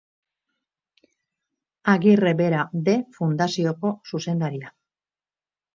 Agirre bera de fundazioko zuzendaria.